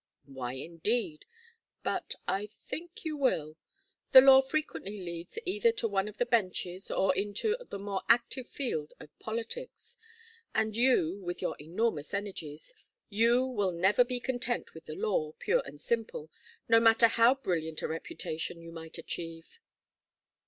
"Why, indeed? But I think you will. The law frequently leads either to one of the benches or into the more active field of politics. And you with your enormous energies you will never be content with the law, pure and simple, no matter how brilliant a reputation you might achieve."